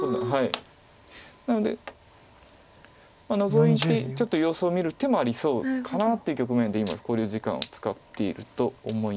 なのでノゾいてちょっと様子を見る手もありそうかなという局面で今考慮時間を使っていると思います。